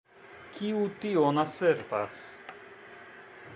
Kiu tion asertas?